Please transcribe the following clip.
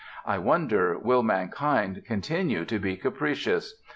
I wonder, will mankind continue to be capricious?